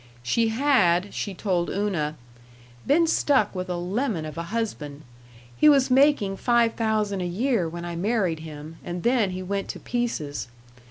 She had, she told Una, "been stuck with a lemon of a husband. He was making five thousand a year when I married him, and then he went to pieces.